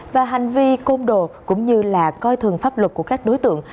và hành vi côn đồ cũng như là coi thường pháp luật của các đối tượng